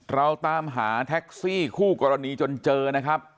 เราตามหาแท็กซี่คู่กรณีจนเจอนะครับ